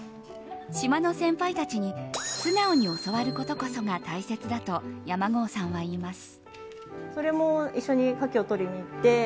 島の先輩たちに素直に教わることこそが大切だと山郷さんは言います。